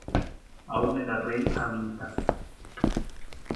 Aún era rey Amintas.